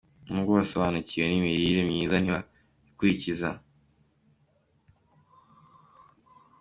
N’ubwo basobanukiwe n’imirire myiza ntibayikurikiza